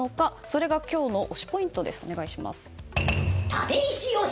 それが今日の推しポイントです。